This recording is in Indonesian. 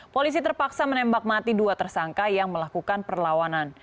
polisi terpaksa menembak mati dua tersangka yang melakukan perlawanan